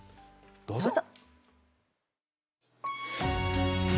どうぞ。